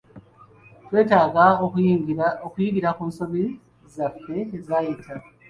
Twetaaga okuyigira ku nsobi zaffe ezaayita.